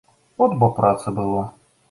От бо працы было!